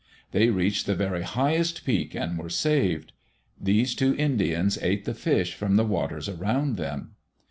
They reached the very highest peak and were saved. These two Indians ate the fish from the waters around them.